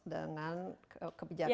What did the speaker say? dengan kebijakan kita